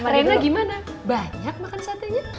rena gimana banyak makan sate nya